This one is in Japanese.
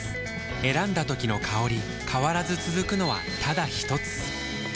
選んだ時の香り変わらず続くのはただひとつ？